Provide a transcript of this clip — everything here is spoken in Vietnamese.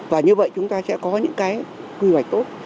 và như vậy chúng ta sẽ có những cái quy hoạch tốt